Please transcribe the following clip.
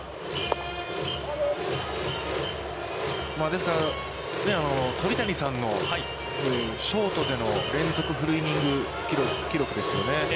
ですから、鳥谷さんのショートでの連続フルイニング記録ですよね。